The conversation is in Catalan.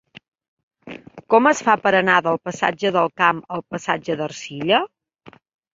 Com es fa per anar del passatge del Camp al passatge d'Ercilla?